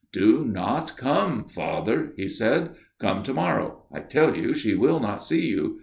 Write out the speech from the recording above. ' Do not come, Father/ he said. ' Come to morrow. I tell you she will not see you.